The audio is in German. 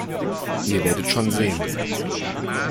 Ihr werdet schon sehen.